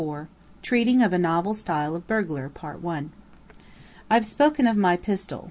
TREATING OF A NOVEL STYLE OF BURGLAR. I have spoken of my pistol.